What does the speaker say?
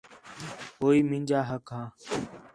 ہوئی مینجا حق ہا